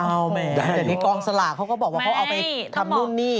แต่นี่กองสลากเขาก็บอกว่าเขาเอาไปทำนู่นนี่